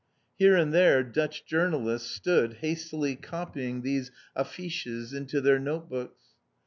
Here and there Dutch journalists stood hastily copying these "affiches" into their note books.